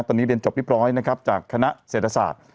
ตอนนี้เรียนจบเรียบร้อยนะครับจากคณะเศรษฐศาสตร์